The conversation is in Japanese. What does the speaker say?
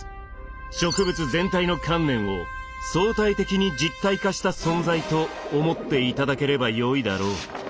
植物全体の観念を総体的に実体化した存在と思っていただければよいだろう。